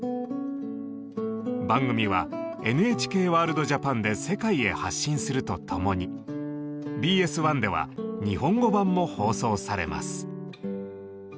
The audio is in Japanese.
番組は「ＮＨＫワールドＪＡＰＡＮ」で世界へ発信するとともにＢＳ１では日本語版も放送されます。